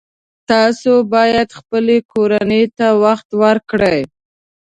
تاسو باید خپلې کورنۍ ته وخت ورکړئ